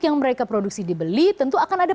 yang mereka produksi dibeli tentu akan ada